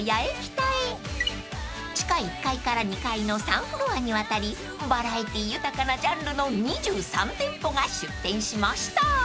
［地下１階から２階の３フロアにわたりバラエティー豊かなジャンルの２３店舗が出店しました］